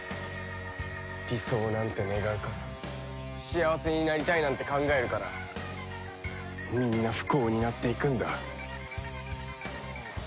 理想なんて願うから幸せになりたいなんて考えるからみんな不幸になっていくんだ。